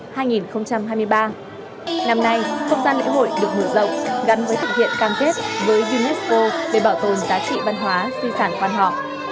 hôm nay không gian lễ hội được mở rộng gắn với thực hiện cam kết với unesco để bảo tồn giá trị văn hóa suy sản quan họ